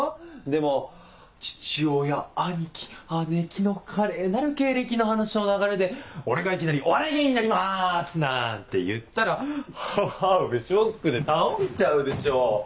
でも父親兄貴姉貴の華麗なる経歴の話の流れで俺がいきなり「お笑い芸人になります」なんて言ったら母上ショックで倒れちゃうでしょ。